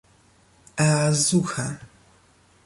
Er suche.